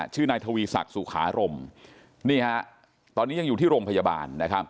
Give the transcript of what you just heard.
ชื่อไนทวีศักดิ์สุขาอมตอนนี้ก็อยู่ที่โรงพยาบาลนะ